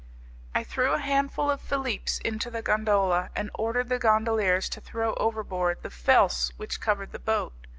I threw a handful of philippes into the gondola, and ordered the gondoliers to throw overboard the 'felce' which covered the boat.